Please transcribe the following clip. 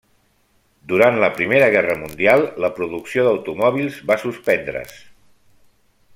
Durant la Primera Guerra Mundial la producció d'automòbils va suspendre's.